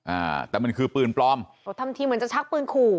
อ่าแต่มันคือปืนปลอมอ๋อทำทีเหมือนจะชักปืนขู่